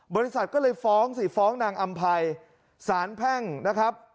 บริษัทก็เลยฟ้องสิฟ้องนางอำภัยสารแพ่งนะครับ